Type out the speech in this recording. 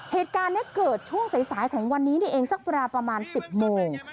เหตุการณ์นี้เกิดช่วงสายของวันนี้นี่เองสักประมาณ๑๐โมง